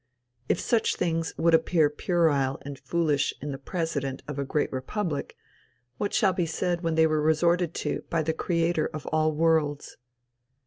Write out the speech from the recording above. If such things would appear puerile and foolish in the president of a great republic, what shall be said when they were resorted to by the creator of all worlds?